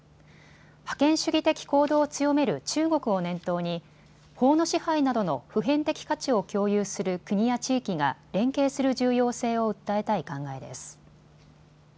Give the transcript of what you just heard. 覇権主義的行動を強める中国を念頭に法の支配などの普遍的価値を共有する国や地域が連携する重要性を訴えたい考えです。